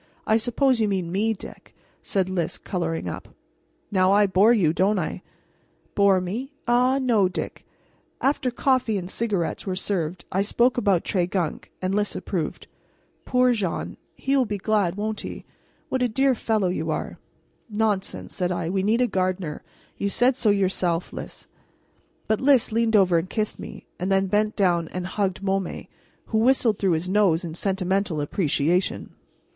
"I suppose you mean me, Dick," said Lys, coloring up. "Now I bore you, don't I?" "Bore me? Ah, no, Dick." After coffee and cigarettes were served I spoke about Tregunc, and Lys approved. "Poor Jean! He will be glad, won't he? What a dear fellow you are!" "Nonsense," said I; "we need a gardener; you said so yourself, Lys." But Lys leaned over and kissed me, and then bent down and hugged Môme who whistled through his nose in sentimental appreciation.